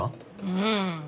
うん。